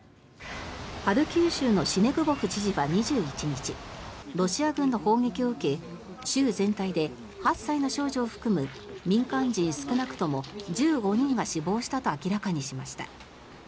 ハルキウ州のシネグボフ知事は２１日ロシア軍の砲撃を受け州全体で８歳の少女を含む民間人少なくとも１５人が死亡したと明らかにしました。